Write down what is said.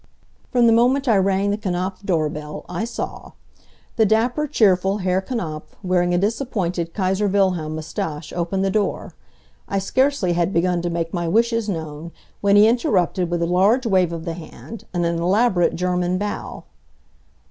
From the moment I rang the Knapf doorbell I saw. The dapper, cheerful Herr Knapf, wearing a disappointed Kaiser Wilhelm mustache, opened the door. I scarcely had begun to make my wishes known when he interrupted with a large wave of the hand, and an elaborate German bow.